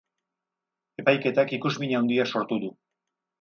Epaiketak ikusmin handia sortu du.